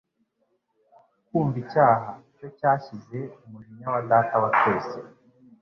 Kumva icyaha, cyo cyashyize umujinya wa Data wa twese